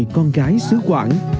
con gái xứ quảng